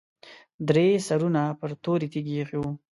درې سرونه پر تورې تیږې ایښي وو.